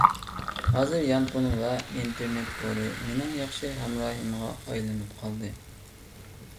ھازىر يانفون ۋە ئىنتېرنېت تورى مېنىڭ ياخشى ھەمراھىمغا ئايلىنىپ قالدى.